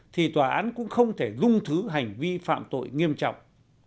thì tòa án cũng không thể dung thứ hành vi phạm tội nghiêm trọng